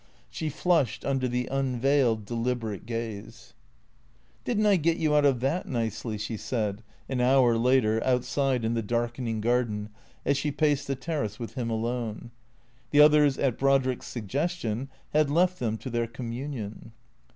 She flushed under the unveiled, delib erate gaze. " Did n't I get you out of that nicely ?" she said, an hour later, outside in the darkening garden, as she paced the terrace with him alone. The others, at Brodrick's suggestion, had left them to their communion.